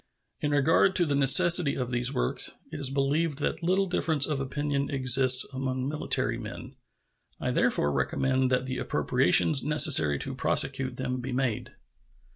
In regard to the necessity for these works, it is believed that little difference of opinion exists among military men. I therefore recommend that the appropriations necessary to prosecute them be made.